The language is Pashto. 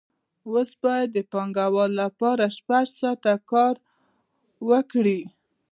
اوس باید د پانګوال لپاره شپږ ساعته کار وکړي